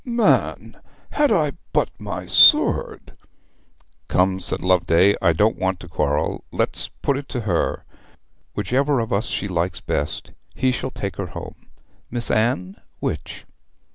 'Man, had I but my sword ' 'Come,' said Loveday, 'I don't want to quarrel. Let's put it to her. Whichever of us she likes best, he shall take her home. Miss Anne, which?'